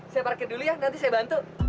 saya parkir dulu ya nanti saya bantu